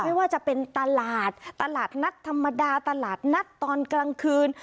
ไม่ว่าจะเป็นตลาดตลาดนัดธรรมดาตลาดนัดตอนกลางคืน